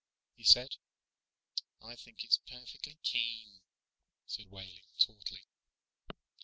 he said. "I think it's perfectly keen," said Wehling tautly.